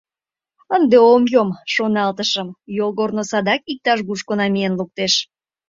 «Ынде ом йом, — шоналтышым, — йолгорно садак иктаж-кушко намиен луктеш».